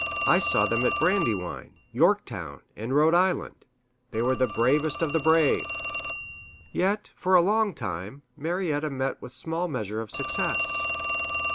I saw them at Brandywine, Yorktown, and Rhode Island. They were the bravest of the brave!" Yet, for a long time, Marietta met with small measure of success.